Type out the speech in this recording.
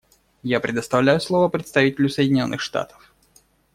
Я предоставляю слово представителю Соединенных Штатов.